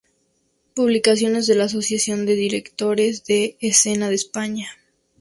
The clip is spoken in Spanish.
Publicaciones de la Asociación de Directores de Escena de España.